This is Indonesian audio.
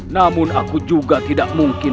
namun aku juga tidak mungkin